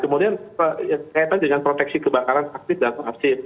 kemudian kaitan dengan proteksi kebakaran aktif dan proaktif